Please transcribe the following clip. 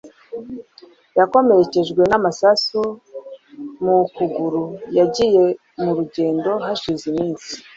Yakomerekejwe n’amasasu mu kuguru. Yagiye mu rugendo hashize iminsi.